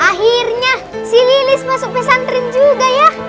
akhirnya si lilis masuk pesantren juga ya